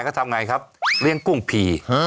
ก็ทำไงครับเลี้ยงกุ้งผี